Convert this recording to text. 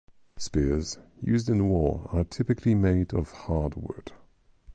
Spears used in war are typically made of hard wood.